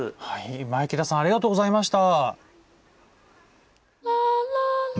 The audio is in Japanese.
前北さんありがとうございました。